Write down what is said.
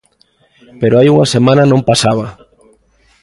Pero hai unha semana non pasaba.